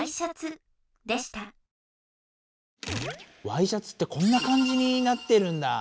ワイシャツってこんなかんじになってるんだ。